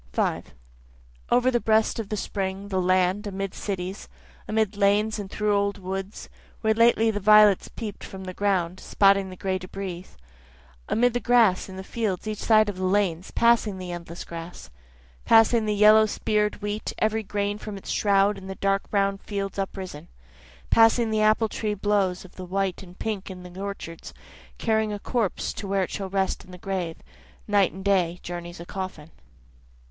5 Over the breast of the spring, the land, amid cities, Amid lanes and through old woods, where lately the violets peep'd from the ground, spotting the gray debris, Amid the grass in the fields each side of the lanes, passing the endless grass, Passing the yellow spear'd wheat, every grain from its shroud in the dark brown fields uprisen, Passing the apple tree blows of white and pink in the orchards, Carrying a corpse to where it shall rest in the grave, Night and day journeys a coffin.